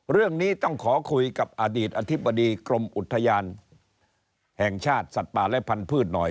เรื่องนี้ต้องขอคุยกับอดีตอธิบดีกรมอุทยานแห่งชาติสัตว์ป่าและพันธุ์หน่อย